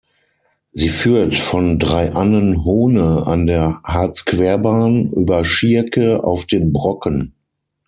Sie führt von Drei Annen Hohne an der Harzquerbahn über Schierke auf den Brocken.